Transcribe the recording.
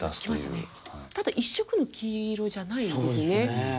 ただ１色の黄色じゃないですよね。